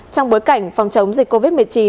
trong bối cảnh phòng chống dịch covid một mươi chín